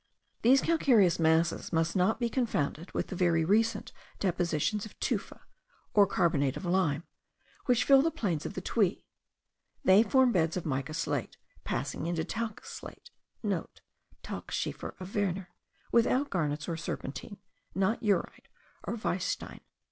These calcareous masses must not be confounded with the very recent depositions of tufa, or carbonate of lime, which fill the plains of the Tuy; they form beds of mica slate, passing into talc slate.* (* Talkschiefer of Werner, without garnets or serpentine; not eurite or weisstein.